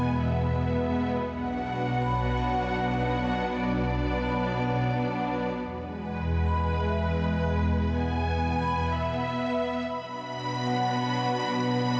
mama evita kebawa dulu ya